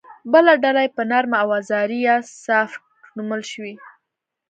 بله ډله یې به نرم اوزاري یا سافټ نومول شي